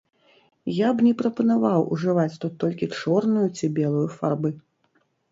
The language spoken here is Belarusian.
Я б не прапанаваў ужываць тут толькі чорную ці белую фарбы.